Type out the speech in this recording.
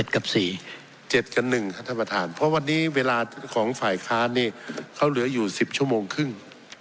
ท่านประธานเพราะวันนี้เวลาของฝ่ายค้านนี่เขาเหลืออยู่๑๐ชั่วโมงครึ่ง